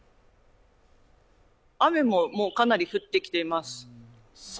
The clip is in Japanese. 雨ももうかなり降ってきています。